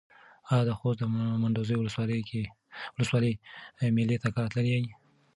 ایا د خوست د منډوزیو ولسوالۍ مېلې ته کله تللی یې؟